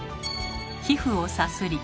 皮膚をさすり。